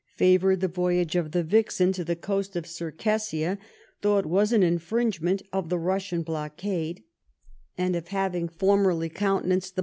favoured the voyage of the Vixen to the coast of Cir cassia though it was an infringement of the Russian blockade, and of having formerly countenanced the 76 LIFE OF VISCOUNT PALMEB8T0N.